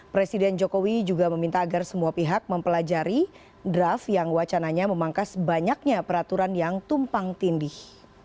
presiden jokowi juga meminta agar semua pihak mempelajari draft yang wacananya memangkas banyaknya peraturan yang tumpang tindih